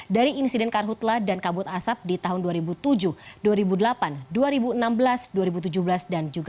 dari insiden karhutlah dan kabut asap di tahun dua ribu tujuh dua ribu delapan dua ribu enam belas dua ribu tujuh belas dan dua ribu sembilan belas